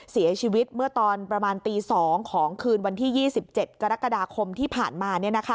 เสียชีวิตเมื่อตอนประมาณตี๒ของคืนวันที่๒๗กรกฎาคมที่ผ่านมา